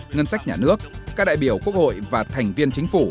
ngân sách nhà nước các đại biểu quốc hội và thành viên chính phủ